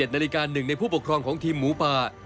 ๑นาฬิกา๑ในผู้ปกครองของทีมหมูป่า